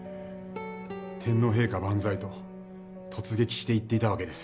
天皇陛下万歳と突撃して行っていたわけです